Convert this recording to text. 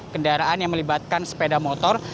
kendaraan yang melibatkan sepeda motor